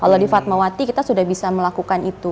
kalau di fatmawati kita sudah bisa melakukan itu